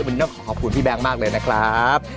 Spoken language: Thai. วันนี้ต้องขอขอบคุณพี่แบงค์มากเลยนะครับ